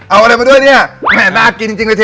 เอาอะไรมาด้วยเนี่ยแม่น่ากินจริงเลยเ